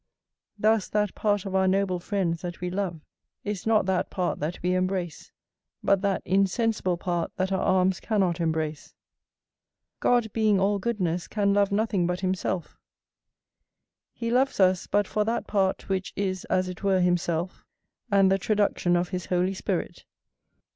Thus that part of our noble friends that we love is not that part that we embrace, but that insensible part that our arms cannot embrace. God being all goodness, can love nothing but himself; he loves us but for that part which is as it were himself, and the traduction of his Holy Spirit.